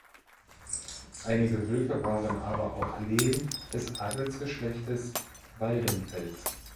Einige Höfe waren aber auch Lehen des Adelsgeschlechtes Waldenfels.